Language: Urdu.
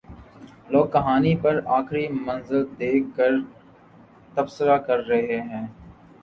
لوگ کہانی پر آخری منظر دیکھ کر تبصرہ کر رہے ہیں۔